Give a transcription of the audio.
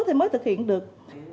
thì mới thực hiện được